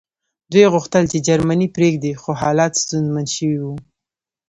دوی غوښتل چې جرمني پرېږدي خو حالات ستونزمن شوي وو